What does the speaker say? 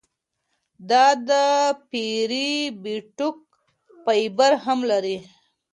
دا د پری بیوټیک فایبر هم لري.